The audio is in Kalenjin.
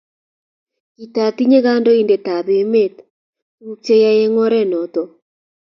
Kitatinye kandoindet tab emet tuguk cheyae eng oret noto